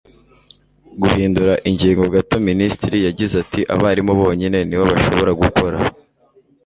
guhindura ingingo gato, minisitiri yagize ati 'abarimu bonyine ni bo bashobora gukora